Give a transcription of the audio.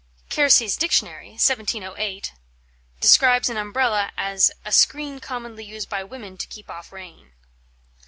Kersey's Dictionary (1708) describes an Umbrella as a "screen commonly used by women to keep off rain."